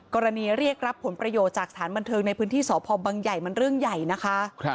เรียกรับผลประโยชน์จากสถานบันเทิงในพื้นที่สพบังใหญ่มันเรื่องใหญ่นะคะ